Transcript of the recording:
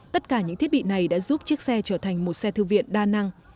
tất cả những thiết bị này đã giúp chiếc xe trở thành một xe thư viện đa năng